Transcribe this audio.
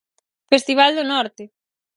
Festival do Norte.